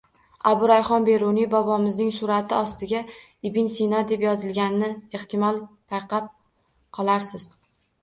Abu Rayhon Beruniy bobomizning surati ostiga Ibn Sino deb yozilganini ehtimol payqab qolarsiz.